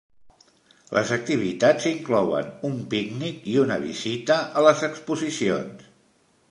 Les activitats inclouen un pícnic i una visita a les exposicions.